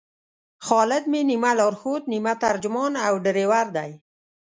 خالد مې نیمه لارښود، نیمه ترجمان او ډریور دی.